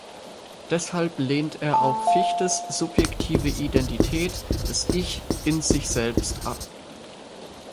Deshalb lehnt er auch Fichtes subjektive Identität des Ich in sich selbst ab.